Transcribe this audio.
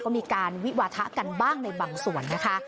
ก็มีการวิวาทะกันบ้างในบางส่วนนะคะ